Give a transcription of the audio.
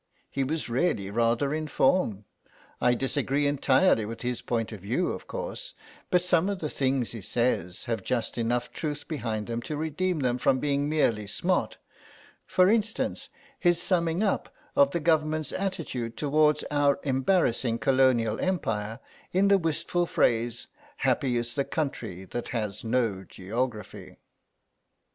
He was really rather in form. I disagree entirely with his point of view, of course, but some of the things he says have just enough truth behind them to redeem them from being merely smart; for instance, his summing up of the Government's attitude towards our embarrassing Colonial Empire in the wistful phrase 'happy is the country that has no geography.